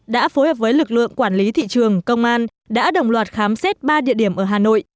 đã phối hợp với lực lượng quản lý thị trường công an đã đồng loạt khám xét ba địa điểm ở hà nội